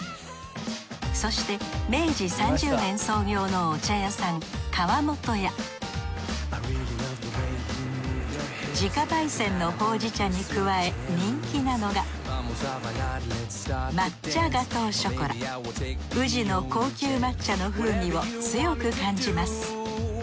そして明治３０年創業のお茶屋さん川本屋自家焙煎のほうじ茶に加え人気なのが宇治の高級抹茶の風味を強く感じます。